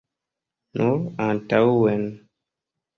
Nur antaŭen.